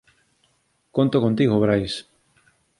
Conto contigo, Brais.